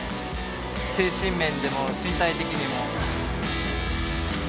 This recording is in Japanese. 精神面でも身体的にも。